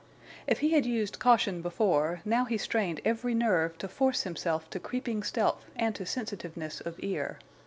If he had used caution before, now he strained every nerve to force himself to creeping stealth and to sensitiveness of ear.